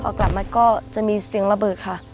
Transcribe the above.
เอากลับมาก็จะมีเสียงระเบิดค่ะ